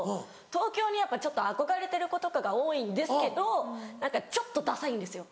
東京にちょっと憧れてる子とかが多いんですけど何かちょっとダサいんですよ。